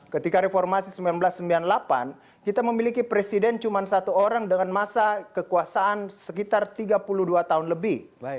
ketika reformasi seribu sembilan ratus sembilan puluh delapan kita memiliki presiden cuma satu orang dengan masa kekuasaan sekitar tiga puluh dua tahun lebih